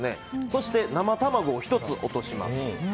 そして生卵を１つ落とします。